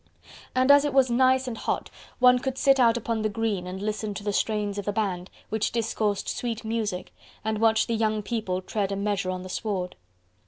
And as it was nice and hot one could sit out upon the green and listen to the strains of the band, which discoursed sweet music, and watch the young people tread a measure on the sward.